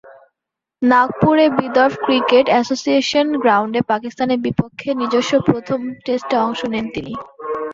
নাগপুরের Vidarbha cricket association গ্রাউন্ডে পাকিস্তানের বিপক্ষে নিজস্ব প্রথম টেস্টে অংশ নেন তিনি।